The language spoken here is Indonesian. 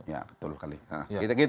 ya betul kali